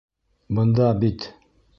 Бында бит...